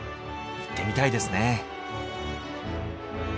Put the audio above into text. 行ってみたいですね。